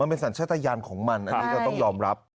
มันเป็นสัญญาณของมันอันนี้ก็ต้องรอบรับ